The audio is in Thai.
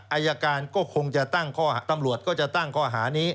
อายการก็คงจะตั้งข้อหาตำรวจก็จะตั้งข้อหานี้